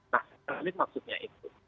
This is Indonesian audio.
nah ini maksudnya itu